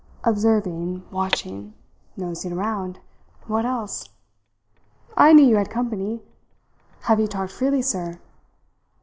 "Observing watching nosing around. What else? I knew you had company. Have you talked freely, sir?"